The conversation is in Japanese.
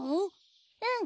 うん。